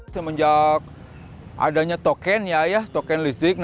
semenjak adanya token listrik